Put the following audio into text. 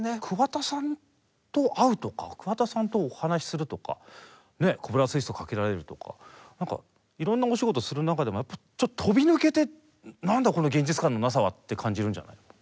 桑田さんと会うとか桑田さんとお話しするとかコブラツイストかけられるとか何かいろんなお仕事する中でもちょっと飛び抜けて何だこの現実感のなさはって感じるんじゃない？